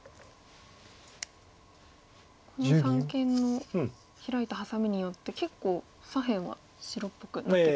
この三間のヒラいたハサミによって結構左辺は白っぽくなって。